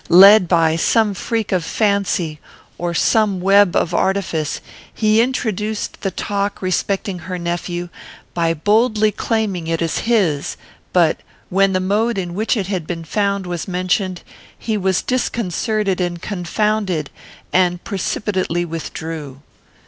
Led by some freak of fancy, or some web of artifice, he introduced the talk respecting her nephew, by boldly claiming it as his; but, when the mode in which it had been found was mentioned, he was disconcerted and confounded, and precipitately withdrew.